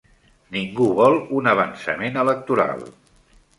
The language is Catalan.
Ningú vol un avançament electoral